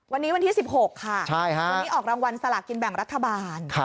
วันนี้วันที่๑๖ค่ะวันนี้ออกรางวัลสลากินแบ่งรัฐบาล